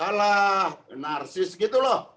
alah narsis gitu loh